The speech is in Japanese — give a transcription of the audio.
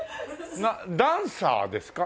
ダンサーですか？